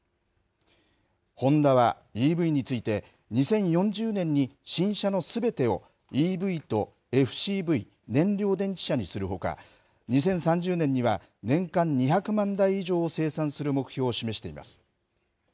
ホンダは、ＥＶについて、２０４０年に新車のすべてをＥＶとＦＣＶ・燃料電池車にするほか、２０３０年には年間２００万台以上を生産する目標を示しています。